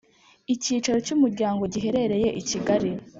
Icyicaro cy’ umuryango giherereye ikigali.